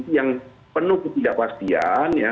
itu yang penuh ketidakpastian ya